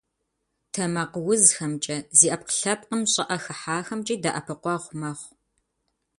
Тэмакъыузхэмкӏэ, зи ӏэпкълъэпкъым щӏыӏэ хыхьахэмкӏи дэӏэпыкъуэгъу мэхъу.